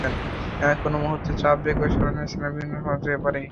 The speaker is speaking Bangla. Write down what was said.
কোনো মুহুর্তে চাপ, বেগ এবং সরণ স্থানের সাথে ভিন্ন হতে পারে।